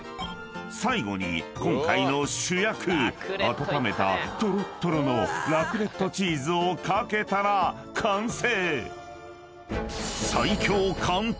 ［最後に今回の主役温めたとろっとろのラクレットチーズを掛けたら完成］